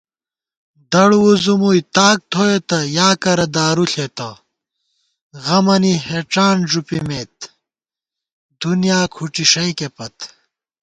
دڑ وُځُومُوئی تاک تھوئیتہ یا کرہ دارُو ݪېتہ * غمَنی ہېڄان ݫُپِمېت دُنیا کھُٹی ݭَئیکے پت